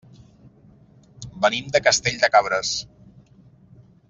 Venim de Castell de Cabres.